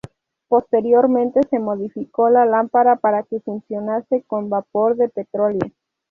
Posteriormente se modificó la lámpara para que funcionase con vapor de petróleo.